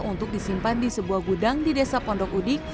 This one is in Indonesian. untuk disimpan di sebuah gudang di desa pondok udik